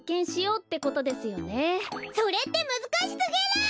それってむずかしすぎる！